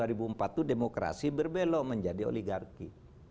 tapi sejak tahun dua ribu empat itu demokrasi berbelok menjadi oligarki